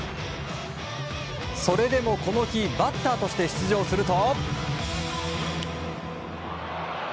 それでもこの日バッターとして出場すると。